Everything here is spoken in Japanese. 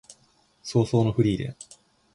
葬送のフリーレン